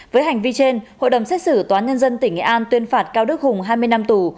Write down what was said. với hành vi trên hội đồng xét xử tòa nhân dân tỉnh nghệ an tuyên phạt cao đức hùng hai mươi năm tù